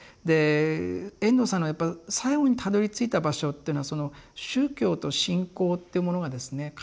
で遠藤さんのやっぱ最後にたどりついた場所っていうのは宗教と信仰ってものがですね